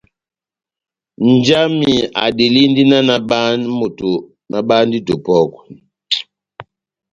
Nja wami adelindi náh nabáhe ndito wa bába.